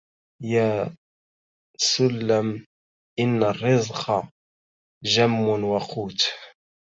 يا سلم إن الرزق جم وقوت